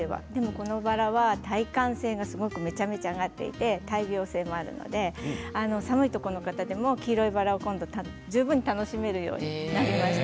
このバラは耐寒性がめちゃめちゃ上がっていて耐病性もあるので寒いところでも黄色いバラを十分楽しめるようになりました。